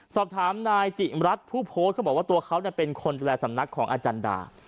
สอบถามนายจิมรัฐผู้โพสต์เขาบอกว่าตัวเขาเป็นคนดูแลสำนักของอาจารย์ดา